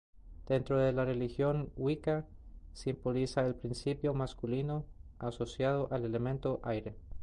Dentro de la religión Wicca simboliza el principio masculino asociado al elemento aire.